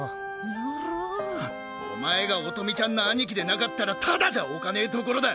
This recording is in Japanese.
やろォお前が音美ちゃんの兄貴でなかったらタダじゃおかねぇところだ。